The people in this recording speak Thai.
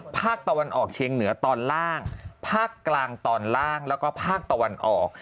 ภาคตะวันออกเชียงเหนือตอนล่างภาคกลางตอนล่างแล้วก็ภาคตะวันออก